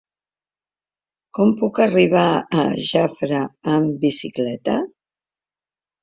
Com puc arribar a Jafre amb bicicleta?